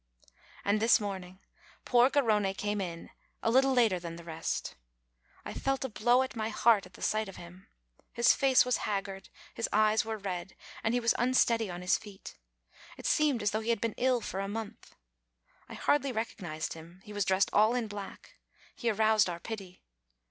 And this morning poor Garrone came in, a little later than the rest; I felt a blow at my heart at the sight of him. His face was haggard, his eyes were red, and he was unsteady on his feet; it seemed as though he had been ill for a month. I hardly rec ognized him; he was dressed all in black; he aroused our pity.